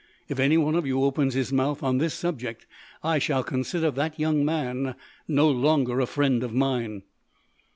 If any one of you opens his mouth on this subject, I shall consider that young man no longer a friend of mine."